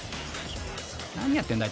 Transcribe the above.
［何やってんだ？